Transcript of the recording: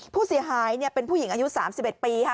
ผู้เสียหายเป็นผู้หญิงอายุ๓๑ปีค่ะ